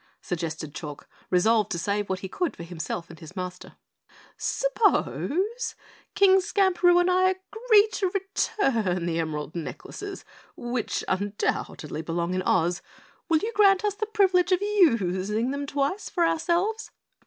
suggested Chalk, resolved to save what he could for himself and his Master. "Suppose King Skamperoo and I agree to return the emerald necklaces, which undoubtedly belong in Oz, will you grant us the privilege of using them twice for ourselves?"